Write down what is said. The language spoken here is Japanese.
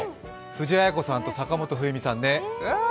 藤あや子さんと坂本冬美さんとね。